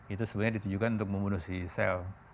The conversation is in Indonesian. itu sebenarnya ditujukan untuk membunuh si sel